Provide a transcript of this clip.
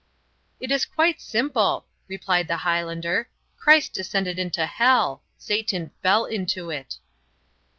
"It is quite simple," replied the Highlander. "Christ descended into hell; Satan fell into it."